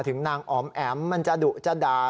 ถึงนางอ๋อมแอ๋มมันจะดุจะด่า